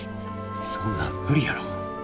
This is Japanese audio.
そんなん無理やろ。